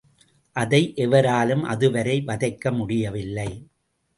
அதை எவராலும் அதுவரை வதைக்க முடியவில்லை.